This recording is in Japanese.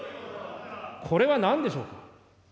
これはなんでしょうか。